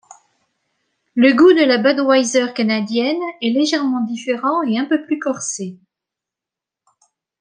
Le goût de la Budweiser Canadienne est légèrement différent et un peu plus corsé.